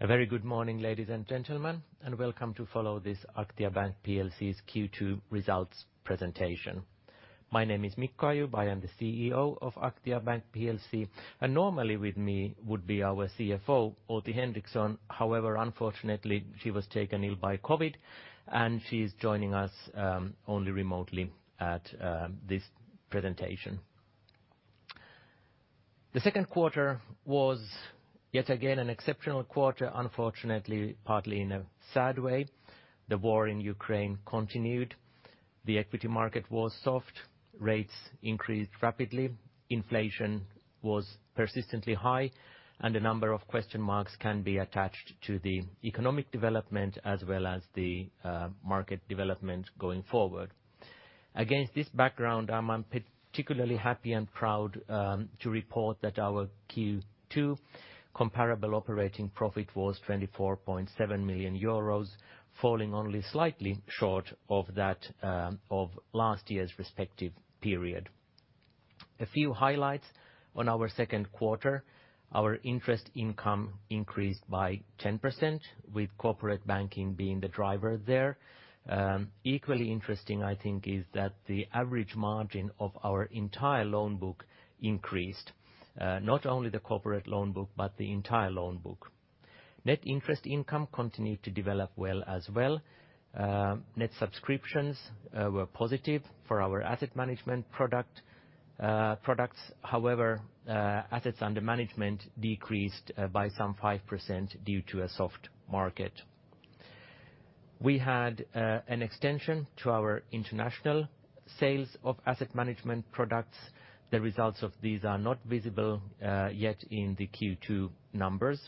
A very good morning, ladies and gentlemen, and welcome to follow this Aktia Bank Plc's Q2 results presentation. My name is Mikko Ayub, I am the CEO of Aktia Bank Plc. Normally with me would be our CFO, Outi Henriksson. However, unfortunately, she was taken ill by COVID, and she's joining us only remotely at this presentation. The second quarter was yet again an exceptional quarter, unfortunately, partly in a sad way. The war in Ukraine continued. The equity market was soft. Rates increased rapidly. Inflation was persistently high, and a number of question marks can be attached to the economic development as well as the market development going forward. Against this background, I'm particularly happy and proud to report that our Q2 comparable operating profit was 24.7 million euros, falling only slightly short of that of last year's respective period. A few highlights on our second quarter. Our interest income increased by 10%, with corporate Banking being the driver there. Equally interesting, I think, is that the average margin of our entire loan book increased, not only the corporate loan book but the entire loan book. Net interest income continued to develop well as well. Net subscriptions were positive for our Asset Management products. However, assets under management decreased by some 5% due to a soft market. We had an extension to our international sales of Asset Management products. The results of these are not visible yet in the Q2 numbers.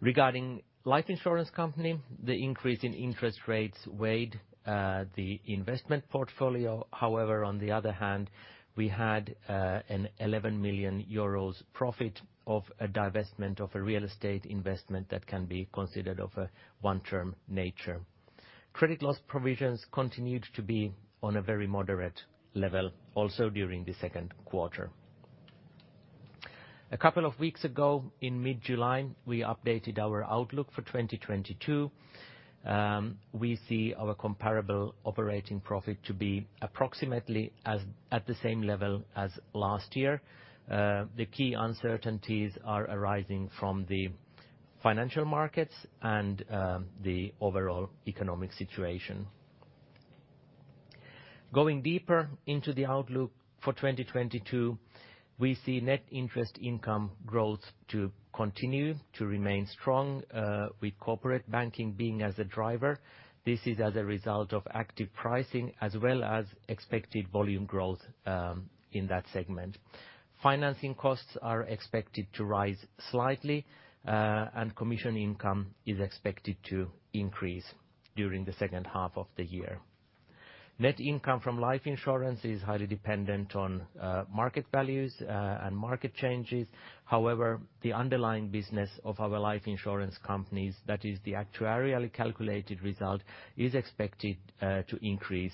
Regarding Life Insurance company, the increase in interest rates weighed the investment portfolio. However, on the other hand, we had an 11 million euros profit of a divestment of a real estate investment that can be considered of a one-off nature. Credit loss provisions continued to be on a very moderate level also during the second quarter. A couple of weeks ago, in mid-July, we updated our outlook for 2022. We see our comparable operating profit to be approximately at the same level as last year. The key uncertainties are arising from the financial markets and the overall economic situation. Going deeper into the outlook for 2022, we see net interest income growth to continue to remain strong, with corporate banking being as a driver. This is as a result of active pricing as well as expected volume growth in that segment. Financing costs are expected to rise slightly, and commission income is expected to increase during the second half of the year. Net income from Life Insurance is highly dependent on market values, and market changes. However, the underlying business of our Life Insurance companies, that is the actuarially calculated result, is expected to increase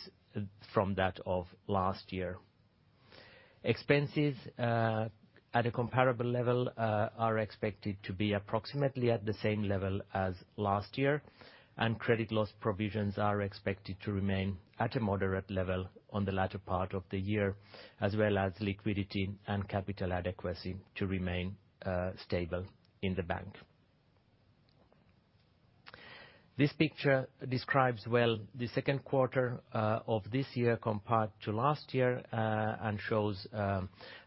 from that of last year. Expenses at a comparable level are expected to be approximately at the same level as last year, and credit loss provisions are expected to remain at a moderate level on the latter part of the year, as well as liquidity and capital adequacy to remain stable in the bank. This picture describes well the second quarter of this year compared to last year, and shows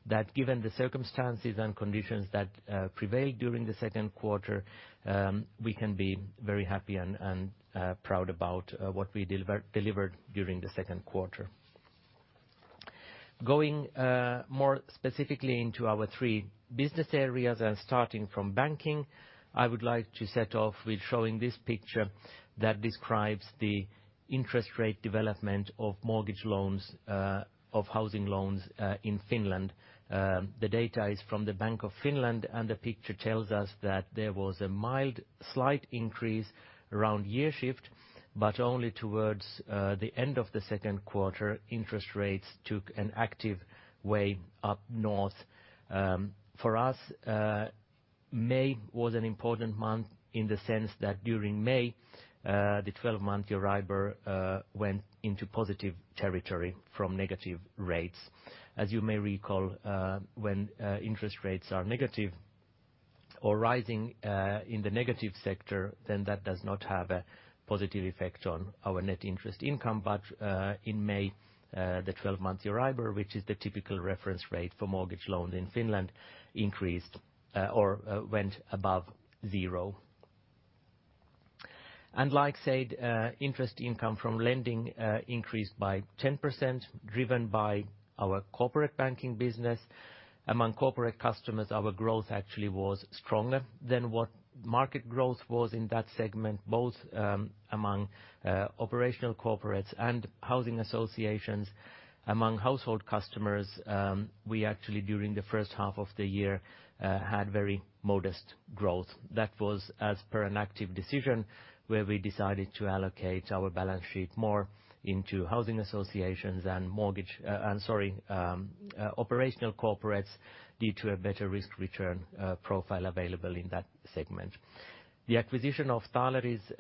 that given the circumstances and conditions that prevailed during the second quarter, we can be very happy and proud about what we delivered during the second quarter. Going more specifically into our three business areas and starting from Banking, I would like to set off with showing this picture that describes the interest rate development of mortgage loans of housing loans in Finland. The data is from the Bank of Finland, and the picture tells us that there was a mild, slight increase around year shift, but only towards the end of the second quarter, interest rates took an active way up north. For us, May was an important month in the sense that during May, the 12-month Euribor went into positive territory from negative rates. As you may recall, when interest rates are negative or rising in the negative sector, then that does not have a positive effect on our net interest income. In May, the 12-month Euribor, which is the typical reference rate for mortgage loans in Finland, increased or went above zero. As said, interest income from lending increased by 10%, driven by our corporate banking business. Among corporate customers, our growth actually was stronger than what market growth was in that segment, both among operational corporates and housing associations. Among household customers, we actually during the first half of the year had very modest growth. That was as per an active decision where we decided to allocate our balance sheet more into housing associations and mortgage and operational corporates due to a better risk-return profile available in that segment. The acquisition of Taaleri's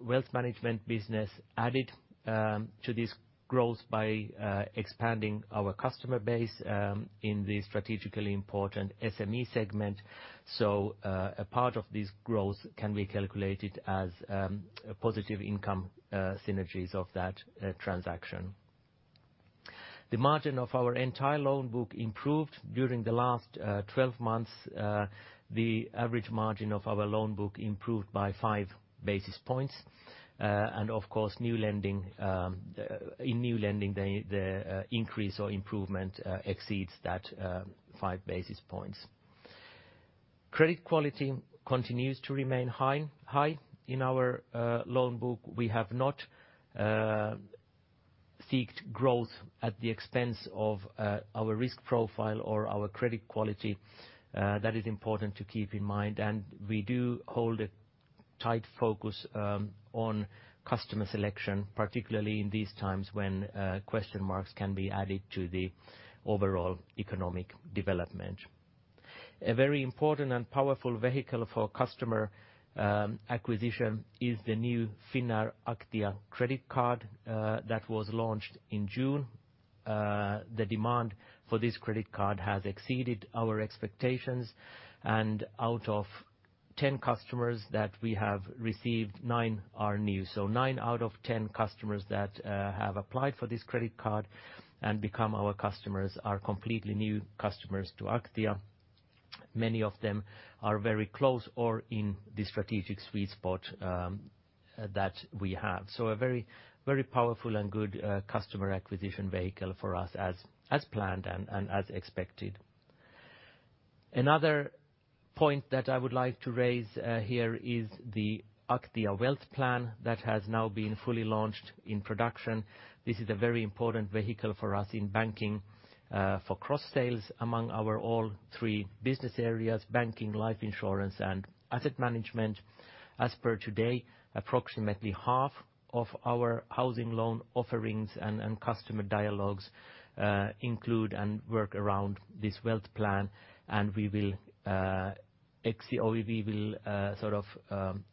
wealth management business added to this growth by expanding our customer base in the strategically important SME segment. A part of this growth can be calculated as a positive income synergies of that transaction. The margin of our entire loan book improved during the last 12 months. The average margin of our loan book improved by 5 basis points. Of course, in new lending, the increase or improvement exceeds that 5 basis points. Credit quality continues to remain high in our loan book. We have not sought growth at the expense of our risk profile or our credit quality. That is important to keep in mind, and we do hold a tight focus on customer selection, particularly in these times when question marks can be added to the overall economic development. A very important and powerful vehicle for customer acquisition is the new Finnair Visa credit card that was launched in June. The demand for this credit card has exceeded our expectations, and out of 10 customers that we have received, nine are new. Nine out of 10 customers that have applied for this credit card and become our customers are completely new customers to Aktia. Many of them are very close or in the strategic sweet spot that we have. A very powerful and good customer acquisition vehicle for us as planned and as expected. Another point that I would like to raise here is the Aktia Wealth Plan that has now been fully launched in production. This is a very important vehicle for us in Banking for cross-sales among our all three business areas, Banking, Life Insurance, and Asset Management. As per today, approximately half of our housing loan offerings and customer dialogues include and work around this Wealth Plan, and we will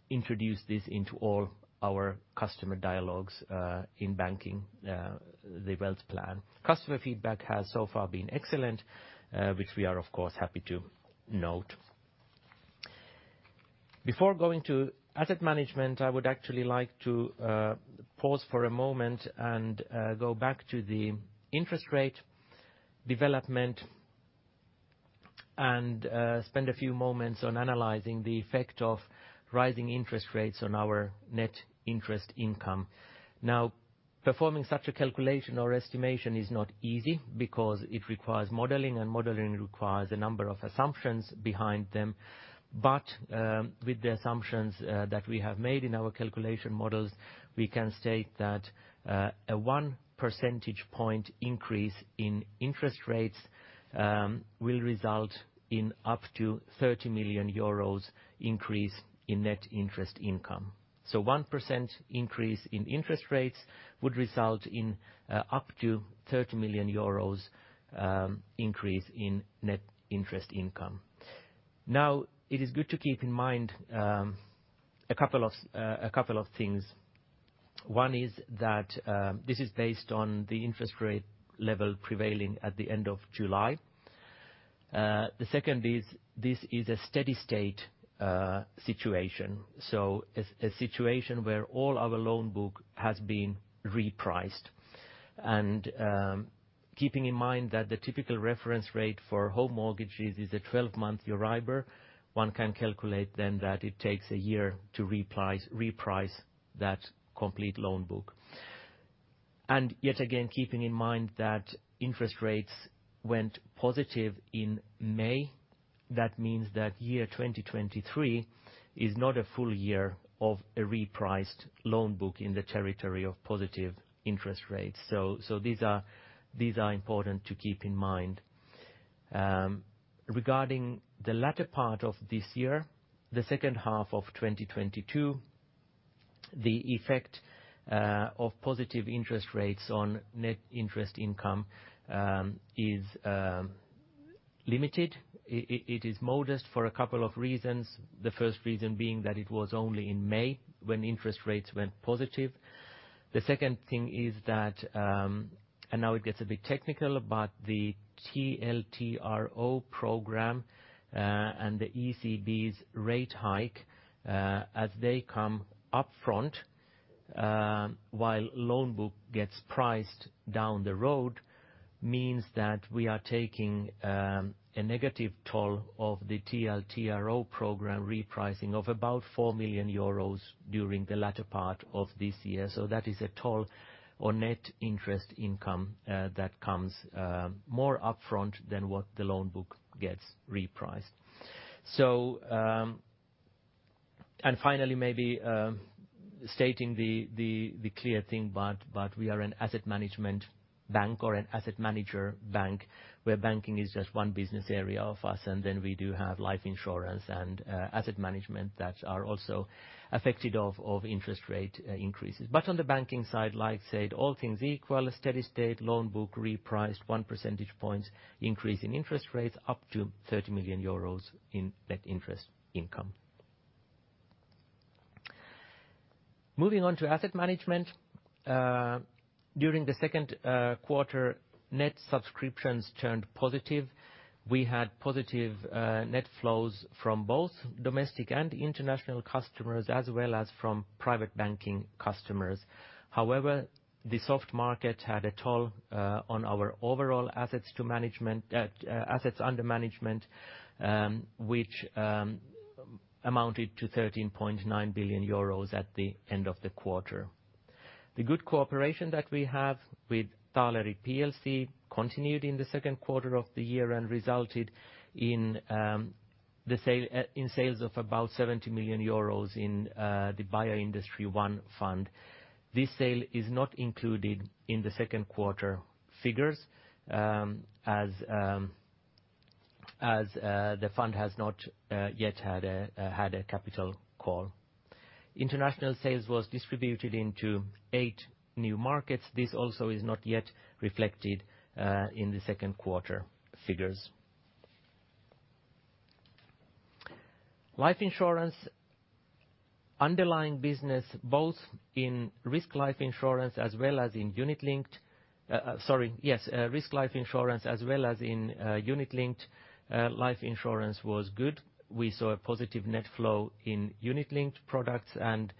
introduce this into all our customer dialogues in Banking, the Wealth Plan. Customer feedback has so far been excellent, which we are of course happy to note. Before going to Asset Management, I would actually like to pause for a moment and go back to the interest rate development and spend a few moments on analyzing the effect of rising interest rates on our net interest income. Now, performing such a calculation or estimation is not easy because it requires modeling, and modeling requires a number of assumptions behind them. With the assumptions that we have made in our calculation models, we can state that a 1 percentage point increase in interest rates will result in up to 30 million euros increase in net interest income. One percent increase in interest rates would result in up to 30 million euros increase in net interest income. Now, it is good to keep in mind a couple of things. One is that this is based on the interest rate level prevailing at the end of July. The second is this is a steady-state situation. A situation where all our loan book has been repriced. Keeping in mind that the typical reference rate for home mortgages is a 12-month Euribor, one can calculate then that it takes a year to reprice that complete loan book. Yet again, keeping in mind that interest rates went positive in May, that means that year 2023 is not a full year of a repriced loan book in the territory of positive interest rates. These are important to keep in mind. Regarding the latter part of this year, the second half of 2022, the effect of positive interest rates on net interest income is limited. It is modest for a couple of reasons. The first reason being that it was only in May when interest rates went positive. The second thing is that, and now it gets a bit technical, but the TLTRO program, and the ECB's rate hike, as they come up front, while loan book gets priced down the road, means that we are taking a negative toll of the TLTRO program repricing of about 4 million euros during the latter part of this year. That is a toll on net interest income that comes more upfront than what the loan book gets repriced. Finally, maybe stating the clear thing, but we are an Asset Management bank or an asset manager bank, where Banking is just one business area of us, and then we do have Life Insurance and Asset Management that are also affected by interest rate increases. On the Banking side, as said, all else equal, a steady state loan book repriced one percentage point increase in interest rates up to 30 million euros in net interest income. Moving on to Asset Management. During the second quarter, net subscriptions turned positive. We had positive net flows from both domestic and international customers, as well as from private banking customers. However, the soft market took its toll on our overall assets under management. Assets under management, which amounted to 13.9 billion euros at the end of the quarter. The good cooperation that we have with Taaleri Plc continued in the second quarter of the year and resulted in sales of about 70 million euros in the Aktia Bioindustry I fund. This sale is not included in the second quarter figures, as the fund has not yet had a capital call. International sales was distributed into eight new markets. This also is not yet reflected in the second quarter figures. Life insurance. Underlying business, both in risk Life Insurance as well as in unit linked Life Insurance was good. We saw a positive net flow in unit-linked products and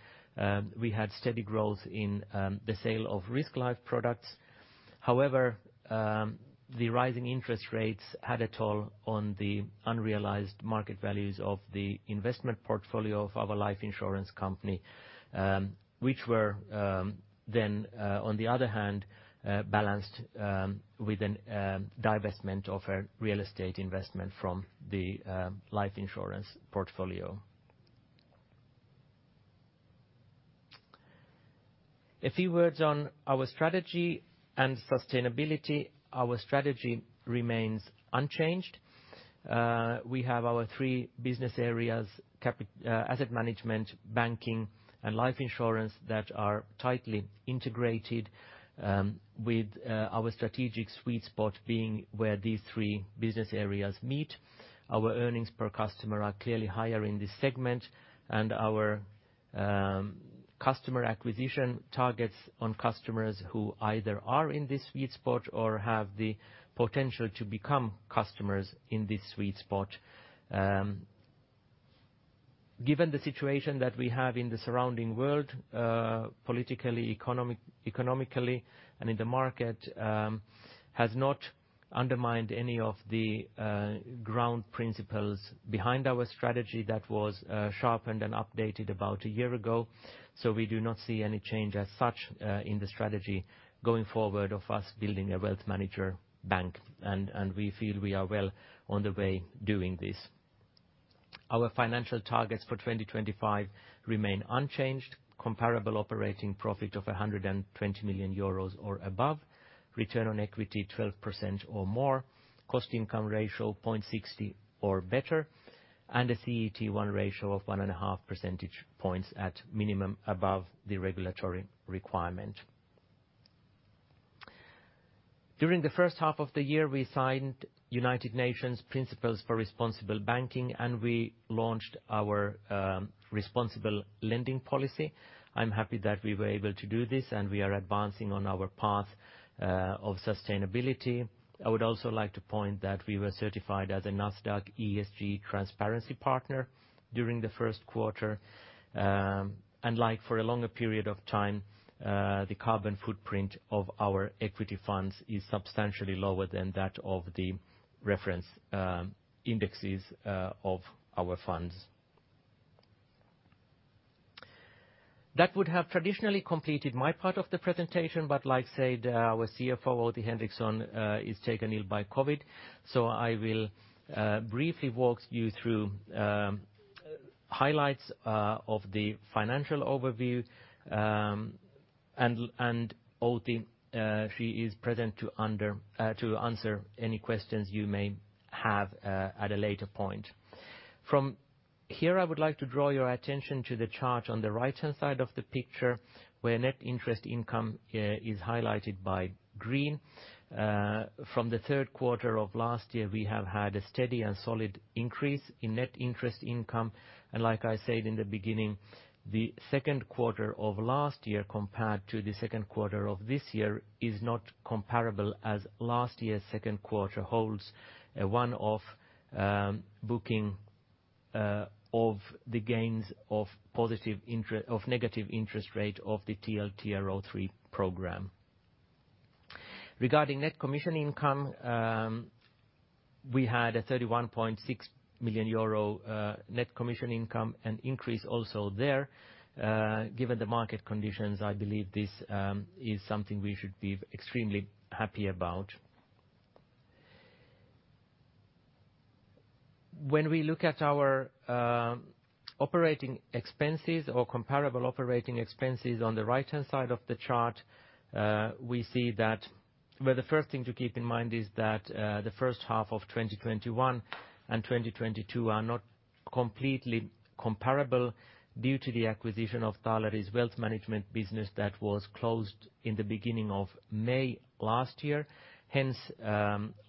we had steady growth in the sale of risk life products. However, the rising interest rates took a toll on the unrealized market values of the investment portfolio of our Life Insurance company, which were then on the other hand balanced with a divestment of a real estate investment from the Life Insurance portfolio. A few words on our strategy and sustainability. Our strategy remains unchanged. We have our three business areas: Asset Management, Banking, and Life Insurance that are tightly integrated with our strategic sweet spot being where these three business areas meet. Our earnings per customer are clearly higher in this segment and our customer acquisition targets on customers who either are in this sweet spot or have the potential to become customers in this sweet spot. Given the situation that we have in the surrounding world, politically, economically, and in the market, has not undermined any of the ground principles behind our strategy that was sharpened and updated about a year ago. We do not see any change as such in the strategy going forward of us building a wealth manager bank. We feel we are well on the way doing this. Our financial targets for 2025 remain unchanged. Comparable operating profit of 120 million euros or above. Return on equity, 12% or more. Cost income ratio, 0.60 or better. A CET1 ratio of 1.5 percentage points at minimum above the regulatory requirement. During the first half of the year, we signed United Nations Principles for Responsible Banking, and we launched our responsible lending policy. I'm happy that we were able to do this, and we are advancing on our path of sustainability. I would also like to point that we were certified as a Nasdaq ESG Transparency Partner during the first quarter. And like for a longer period of time, the carbon footprint of our equity funds is substantially lower than that of the reference indexes of our funds. That would have traditionally completed my part of the presentation, but like I said, our CFO, Outi Henriksson, is taken ill by COVID, so I will briefly walk you through highlights of the financial overview. Outi, she is present to answer any questions you may have, at a later point. From here, I would like to draw your attention to the chart on the right-hand side of the picture, where net interest income is highlighted by green. From the third quarter of last year, we have had a steady and solid increase in net interest income. Like I said in the beginning, the second quarter of last year compared to the second quarter of this year is not comparable, as last year's second quarter holds a one-off booking of the gains of negative interest rate of the TLTRO III program. Regarding net commission income, we had a 31.6 million euro net commission income, an increase also there. Given the market conditions, I believe this is something we should be extremely happy about. When we look at our operating expenses or comparable operating expenses on the right-hand side of the chart, we see that the first thing to keep in mind is that the first half of 2021 and 2022 are not completely comparable due to the acquisition of Taaleri's wealth management business that was closed in the beginning of May last year. Hence,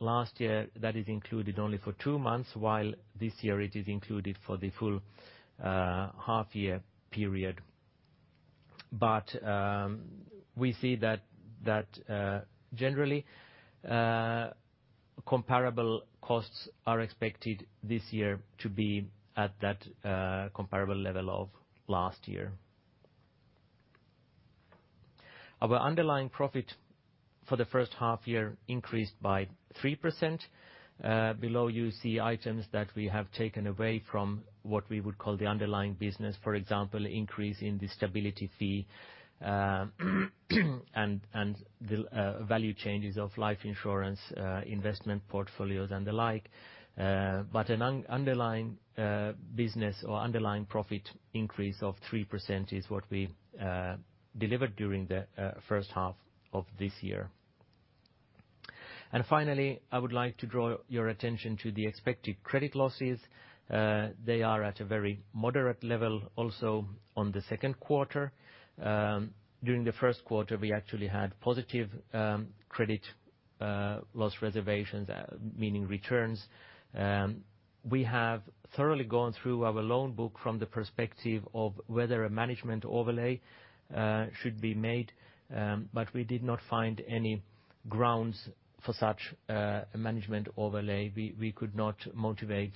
last year, that is included only for two months, while this year it is included for the full half year period. We see that generally comparable costs are expected this year to be at that comparable level of last year. Our underlying profit for the first half year increased by 3%. Below you see items that we have taken away from what we would call the underlying business. For example, increase in the stability fee, and the value changes of Life Insurance investment portfolios and the like. But an underlying business or underlying profit increase of 3% is what we delivered during the first half of this year. Finally, I would like to draw your attention to the expected credit losses. They are at a very moderate level also on the second quarter. During the first quarter, we actually had positive credit loss reservations, meaning returns. We have thoroughly gone through our loan book from the perspective of whether a management overlay should be made, but we did not find any grounds for such management overlay. We could not motivate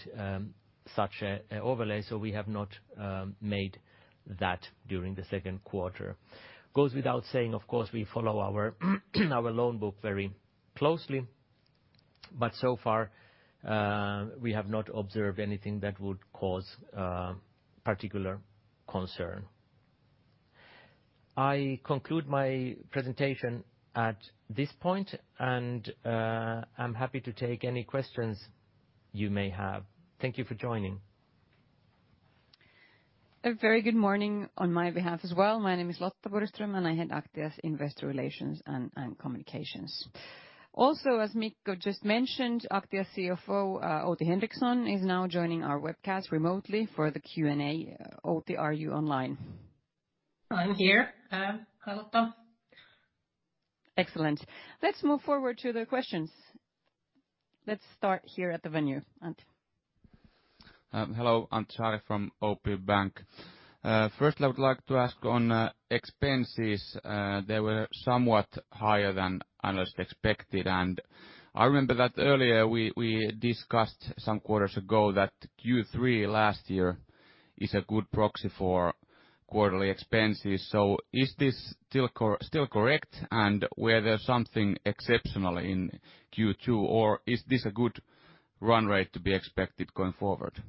such a overlay, so we have not made that during the second quarter. Goes without saying, of course, we follow our loan book very closely. So far, we have not observed anything that would cause particular concern. I conclude my presentation at this point, and I'm happy to take any questions you may have. Thank you for joining. A very good morning on my behalf as well. My name is Lotta Borgström, and I Head Aktia's Investor Relations and Communications. Also, as Mikko just mentioned, Aktia’s CFO Outi Henriksson is now joining our webcast remotely for the Q&A. Outi, are you online? I'm here, Lotta. Excellent. Let's move forward to the questions. Let's start here at the venue. Antti. Hello. Antti Saari from OP Bank. First I would like to ask on expenses. They were somewhat higher than analysts expected. I remember that earlier we discussed some quarters ago that Q3 last year is a good proxy for quarterly expenses. Is this still correct? Were there something exceptional in Q2, or is this a good run rate to be expected going forward?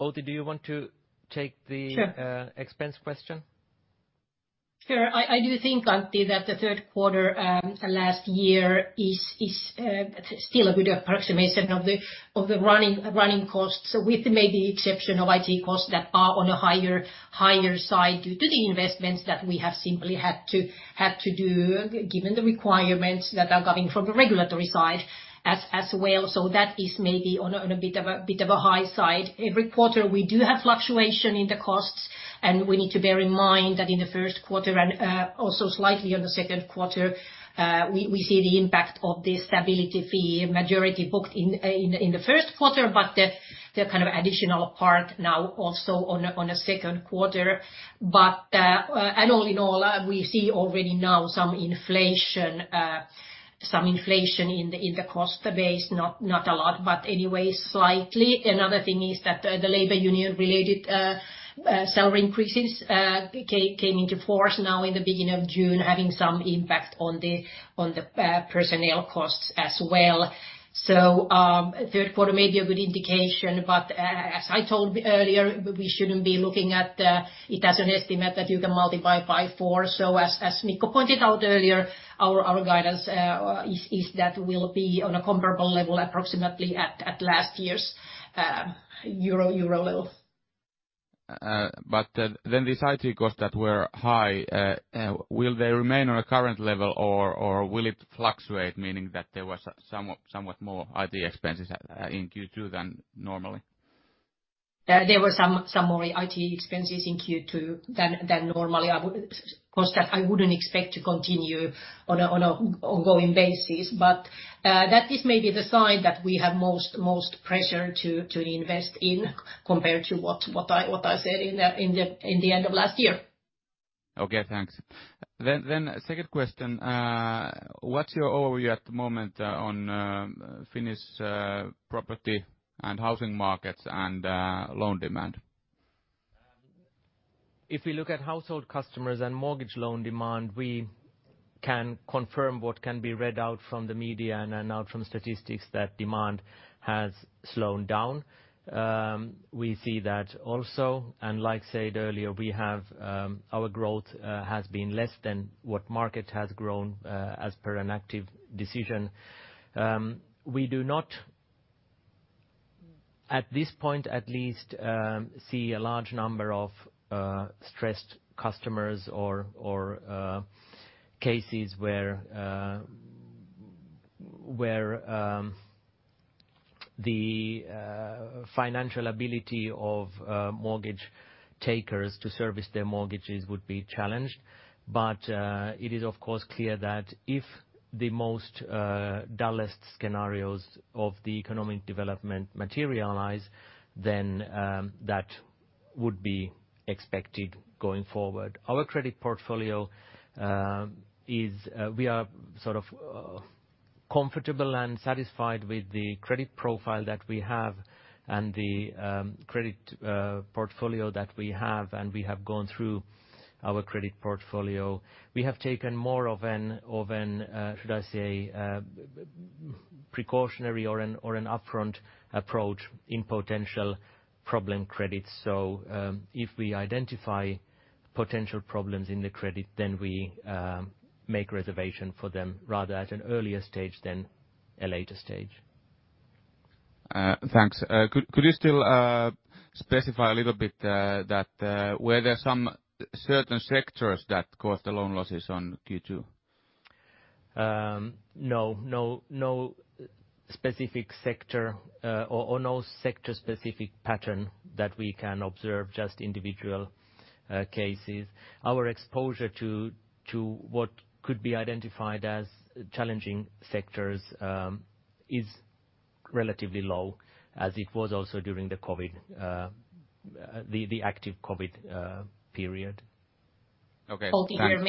Outi, do you want to take the- Sure. Expense question? Sure. I do think, Antti, that the third quarter last year is still a good approximation of the running costs. With maybe exception of IT costs that are on a higher side due to the investments that we have simply had to do given the requirements that are coming from the regulatory side as well. That is maybe on a bit of a high side. Every quarter we do have fluctuation in the costs, and we need to bear in mind that in the first quarter and also slightly on the second quarter, we see the impact of the stability fee majority booked in the first quarter, but the kind of additional part now also on a second quarter. All in all, we see already now some inflation in the cost base. Not a lot, but anyway, slightly. Another thing is that the labor union-related salary increases came into force now in the beginning of June, having some impact on the personnel costs as well. Third quarter may be a good indication, but as I told earlier, we shouldn't be looking at it as an estimate that you can multiply by four. As Mikko pointed out earlier, our guidance is that we'll be on a comparable level approximately at last year's euro level. These IT costs that were high, will they remain on a current level or will it fluctuate, meaning that there was somewhat more IT expenses in Q2 than normally? There were some more IT expenses in Q2 than normally. Costs that I wouldn't expect to continue on an ongoing basis. That is maybe the sign that we have most pressure to invest in compared to what I said in the end of last year. Okay, thanks. Second question. What's your overview at the moment on Finnish property and housing markets and loan demand? If we look at household customers and mortgage loan demand, we can confirm what can be read out from the media and out from statistics that demand has slowed down. We see that also, and like said earlier, we have our growth has been less than what market has grown, as per an active decision. We do not, at this point at least, see a large number of stressed customers or cases where the financial ability of mortgage takers to service their mortgages would be challenged. It is of course clear that if the most dullest scenarios of the economic development materialize. Then, that would be expected going forward. Our credit portfolio, we are sort of comfortable and satisfied with the credit profile that we have and the credit portfolio that we have, and we have gone through our credit portfolio. We have taken more of a precautionary or an upfront approach in potential problem credits. If we identify potential problems in the credit, then we make provisions for them rather at an earlier stage than a later stage. Thanks. Could you still specify a little bit? Were there some certain sectors that caused the loan losses on Q2? No specific sector or no sector specific pattern that we can observe, just individual cases. Our exposure to what could be identified as challenging sectors is relatively low as it was also during the COVID, the active COVID period. Okay. Thanks. Outi here.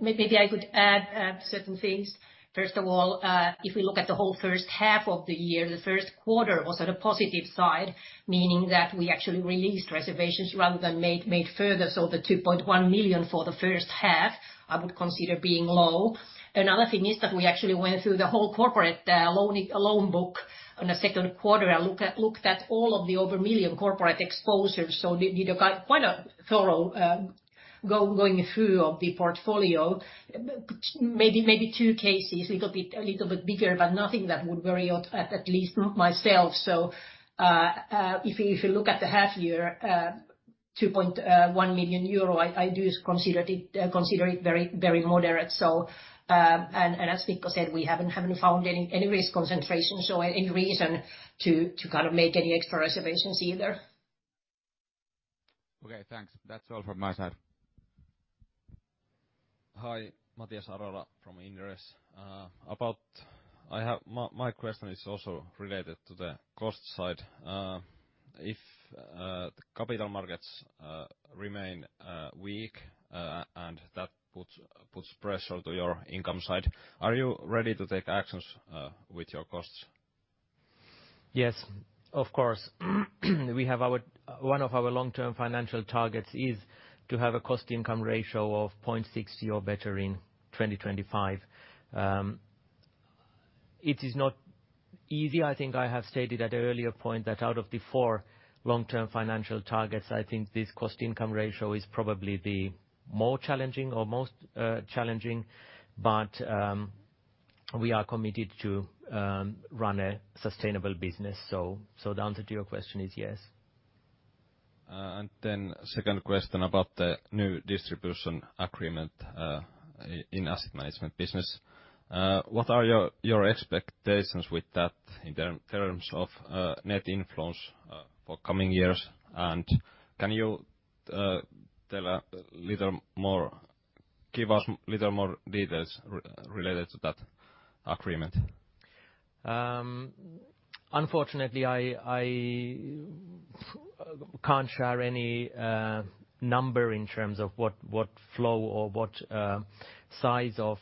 Maybe I could add certain things. First of all, if we look at the whole first half of the year, the first quarter was on the positive side, meaning that we actually released reserves rather than made further. 2.1 million for the first half, I would consider being low. Another thing is that we actually went through the whole corporate loan book in the second quarter and looked at all of the corporate exposures over EUR 1 million corporate exposure. Did a quite a thorough going through of the portfolio. Maybe two cases a little bit bigger, but nothing that would worry at least myself. If you look at the half year 2.1 million euro, I do consider it very moderate. As Mikko said, we haven't found any risk concentration, so any reason to kind of make any extra reservations either. Okay, thanks. That's all from my side. Hi. Matias Arola from Inderes. My question is also related to the cost side. If the capital markets remain weak and that puts pressure to your income side, are you ready to take actions with your costs? Yes, of course. We have one of our long-term financial targets is to have a cost income ratio of 0.6 or better in 2025. It is not easy. I think I have stated at an earlier point that out of the four long-term financial targets, I think this cost income ratio is probably the more challenging or most challenging. We are committed to run a sustainable business. The answer to your question is yes. Second question about the new distribution agreement in Asset Management business. What are your expectations with that in terms of net inflows for coming years? Can you give us little more details related to that agreement? Unfortunately, I can't share any number in terms of what flow or what size of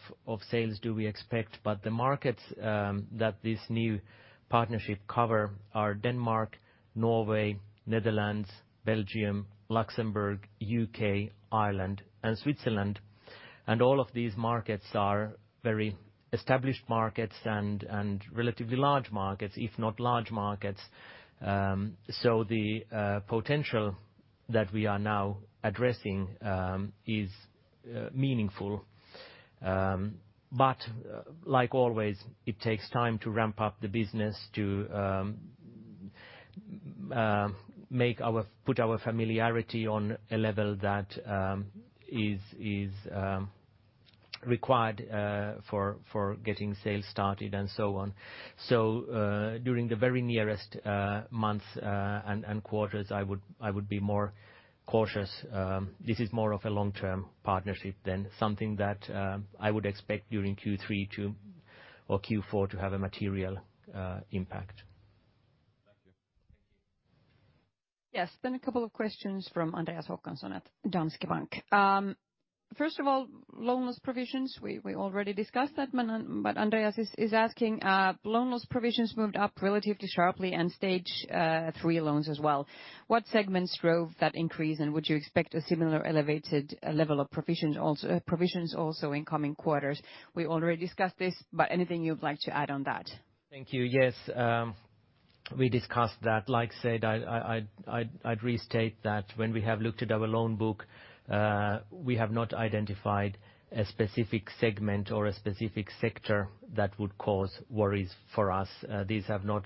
sales do we expect. The markets that this new partnership cover are Denmark, Norway, the Netherlands, Belgium, Luxembourg, the U.K., Ireland, and Switzerland. All of these markets are very established markets and relatively large markets, if not large markets. The potential that we are now addressing is meaningful. Like always, it takes time to ramp up the business to put our familiarity on a level that is required for getting sales started and so on. During the very nearest months and quarters, I would be more cautious. This is more of a long-term partnership than something that I would expect during Q3 or Q4 to have a material impact. Thank you. Yes. A couple of questions from Andreas Håkansson at Danske Bank. First of all, loan loss provisions. We already discussed that, but Andreas is asking, loan loss provisions moved up relatively sharply and Stage 3 loans as well. What segments drove that increase, and would you expect a similar elevated level of provisions also in coming quarters? We already discussed this, but anything you'd like to add on that? Thank you. Yes, we discussed that. As I said, I'd restate that when we have looked at our loan book, we have not identified a specific segment or a specific sector that would cause worries for us. These have not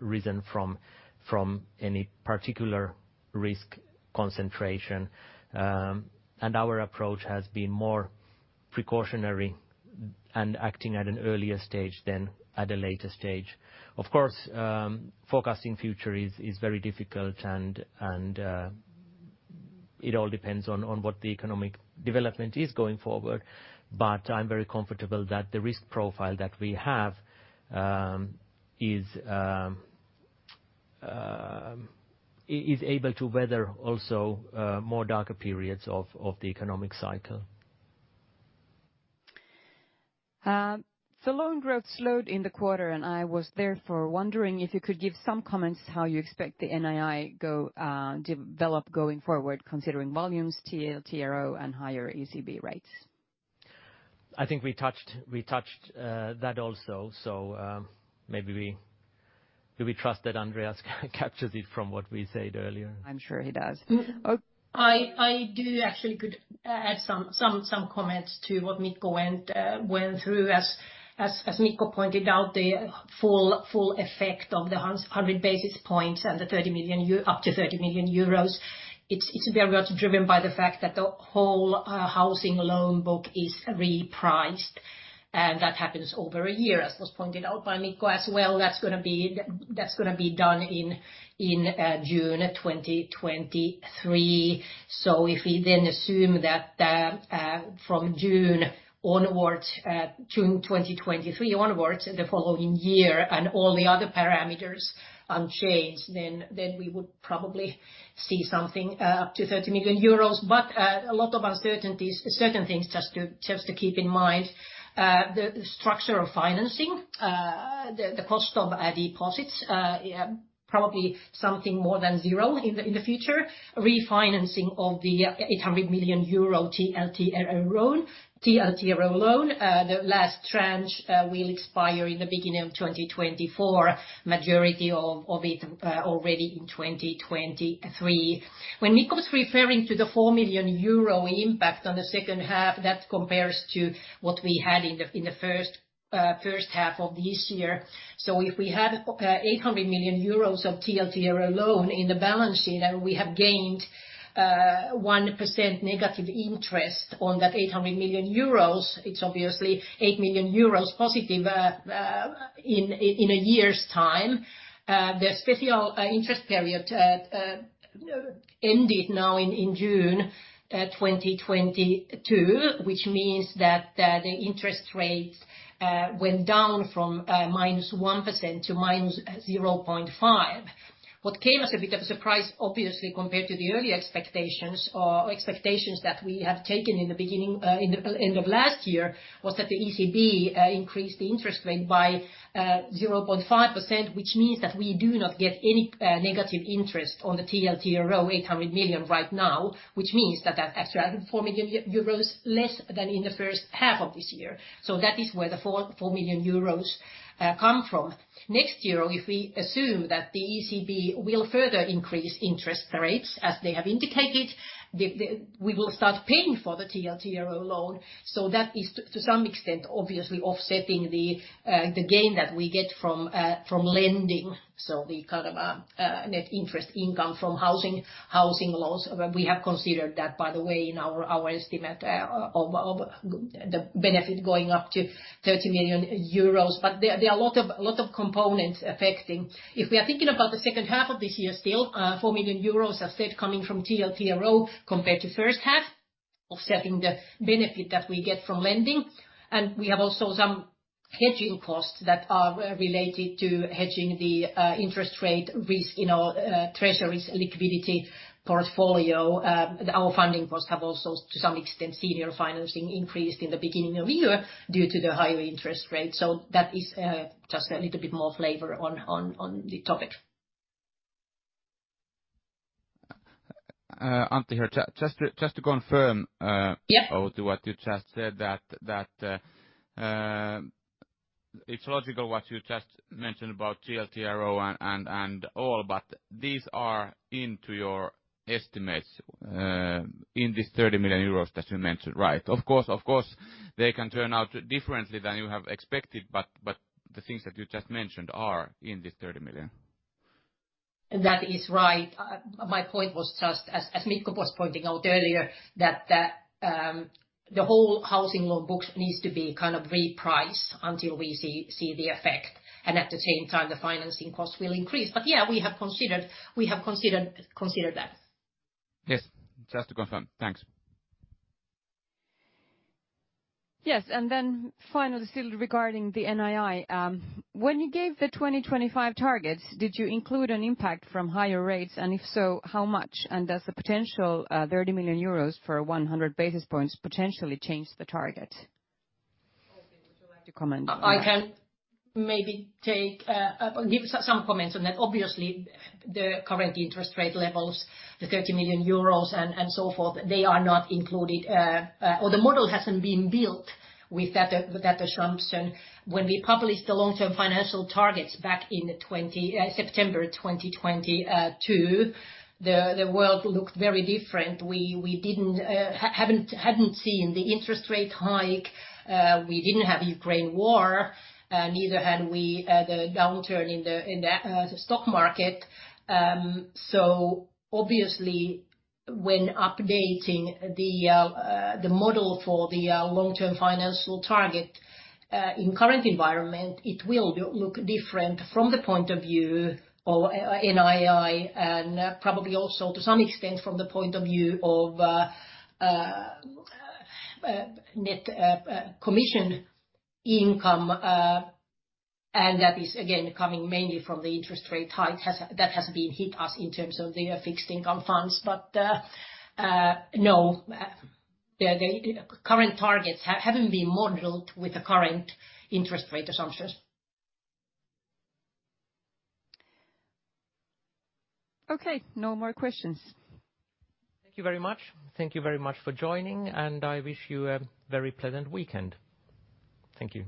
risen from any particular risk concentration. Our approach has been more precautionary and acting at an earlier stage than at a later stage. Of course, forecasting future is very difficult and it all depends on what the economic development is going forward. I'm very comfortable that the risk profile that we have is able to weather also more darker periods of the economic cycle. The loan growth slowed in the quarter, and I was therefore wondering if you could give some comments how you expect the NII develop going forward considering volumes, TLTRO, and higher ECB rates? I think we touched that also. Maybe do we trust that Andreas captures it from what we said earlier? I'm sure he does. I do actually could add some comments to what Mikko went through. As Mikko pointed out, the full effect of the 100 basis points and the 30 million up to 30 million euros, it's very well driven by the fact that the whole housing loan book is repriced. That happens over a year, as was pointed out by Mikko as well. That's gonna be done in June 2023. If we then assume that from June 2023 onwards, the following year, and all the other parameters unchanged, then we would probably see something up to 30 million euros. A lot of uncertainties, certain things just to keep in mind. The structure of financing, the cost of deposits, probably something more than zero in the future. Refinancing of the 800 million euro TLTRO loan. The last tranche will expire in the beginning of 2024, majority of it already in 2023. When Mikko's referring to the 4 million euro impact on the second half, that compares to what we had in the first half of this year. If we had 800 million euros of TLTRO loan in the balance sheet, and we have gained 1% negative interest on that 800 million euros, it's obviously 8 million euros positive in a year's time. The special interest period ended now in June 2022, which means that the interest rates went down from -1% to -0.5%. What came as a bit of a surprise, obviously, compared to the early expectations or expectations that we have taken in the beginning in the end of last year, was that the ECB increased the interest rate by 0.5%, which means that we do not get any negative interest on the TLTRO 800 million right now, which means that that's around 4 million euros less than in the first half of this year. That is where the 4 million euros come from. Next year, if we assume that the ECB will further increase interest rates, as they have indicated, the we will start paying for the TLTRO loan. That is to some extent obviously offsetting the gain that we get from lending. We kind of net interest income from housing loans. We have considered that, by the way, in our estimate of the benefit going up to 30 million euros. There are a lot of components affecting. If we are thinking about the second half of this year still, 4 million euros are said coming from TLTRO compared to first half, offsetting the benefit that we get from lending. We have also some hedging costs that are related to hedging the interest rate risk in our treasuries liquidity portfolio. Our funding costs have also, to some extent, senior financing increased in the beginning of the year due to the higher interest rate. That is just a little bit more flavor on the topic. Antti here. Just to confirm. Yeah. Outi, to what you just said that, it's logical what you just mentioned about TLTRO and all, but these are into your estimates, in this 30 million euros that you mentioned, right? Of course, they can turn out differently than you have expected, but the things that you just mentioned are in this 30 million. That is right. My point was just as Mikko was pointing out earlier, that the whole housing loan books needs to be kind of repriced until we see the effect. At the same time, the financing costs will increase. Yeah, we have considered that. Yes. Just to confirm. Thanks. Yes. Then finally, still regarding the NII. When you gave the 2025 targets, did you include an impact from higher rates? And if so, how much? And does the potential 30 million euros for 100 basis points potentially change the target? Outi, would you like to comment on that? I can give some comments on that. Obviously, the current interest rate levels, the 30 million euros and so forth, they are not included. Or the model hasn't been built with that, with that assumption. When we published the long-term financial targets back in September 2020, the world looked very different. We hadn't seen the interest rate hike, we didn't have Ukraine war, neither had we the downturn in the stock market. Obviously, when updating the model for the long-term financial target in current environment, it will look different from the point of view of NII, and probably also to some extent from the point of view of net commission income. That is again coming mainly from the interest rate hike that has hit us in terms of the fixed income funds. No, the current targets haven't been modeled with the current interest rate assumptions. Okay. No more questions. Thank you very much. Thank you very much for joining, and I wish you a very pleasant weekend. Thank you.